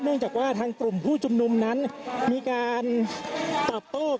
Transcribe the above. เนื่องจากว่าทางกลุ่มผู้ชมนุมนั้นมีการตอบโต๊ะ